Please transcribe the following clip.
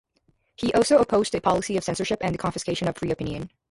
He also opposed the policy of censorship and the confiscation of free opinion.